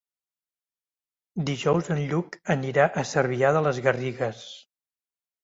Dijous en Lluc anirà a Cervià de les Garrigues.